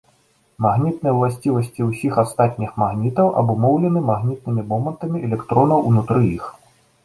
Магнітныя ўласцівасці ўсіх астатніх магнітаў абумоўлены магнітнымі момантамі электронаў унутры іх.